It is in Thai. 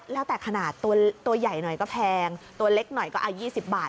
แล้วแต่ขนาดตัวใหญ่หน่อยก็แพงตัวเล็กหน่อยก็เอา๒๐บาท